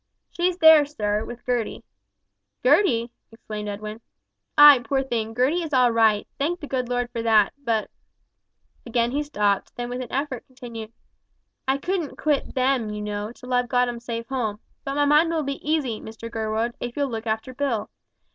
"She's there, sir, with Gertie." "Gertie!" exclaimed Edwin. "Ay, poor thing, Gertie is all right, thank the good Lord for that; but " Again he stopped, then with an effort continued "I couldn't quit them, you know, till I've got 'em safe home. But my mind will be easy, Mr Gurwood, if you'll look after Bill.